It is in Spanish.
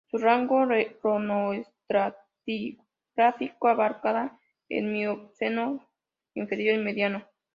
Su rango cronoestratigráfico abarcaba el Mioceno inferior y medio.